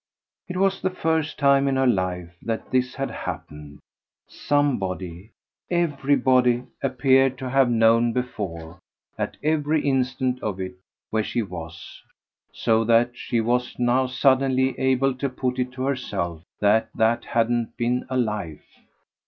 It was the first time in her life that this had happened; somebody, everybody appeared to have known before, at every instant of it, where she was; so that she was now suddenly able to put it to herself that that hadn't been a life.